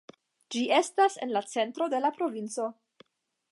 Ĝi estas en la centro de la provinco.